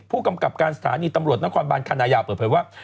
ผู้กำกับการสถานีตำรวจนครบานคณะยาวเปิดเผยว่า